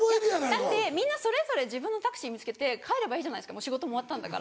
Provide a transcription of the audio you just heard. だってみんなそれぞれ自分のタクシー見つけて帰ればいいじゃないですかもう仕事も終わったんだから。